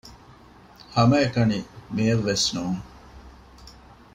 ހަމައެކަނި މިއެއްވެސް ނޫން